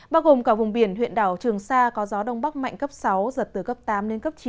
bao gồm cả vùng biển huyện đảo trường sa có gió đông bắc mạnh cấp sáu giật từ cấp tám đến cấp chín